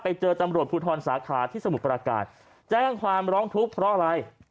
ไปเจอตำรวจภูทรสาขาที่สมุทรประการแจ้งความร้องทุกข์เพราะอะไร